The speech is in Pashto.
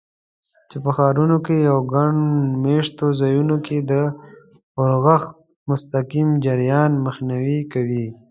چې په ښارونو او ګڼ مېشتو ځایونو کې د اورښت مستقیم جریان مخنیوی کوي.